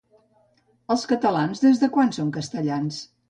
Els catalans, des de quan són castellans?